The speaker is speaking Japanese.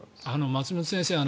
松本先生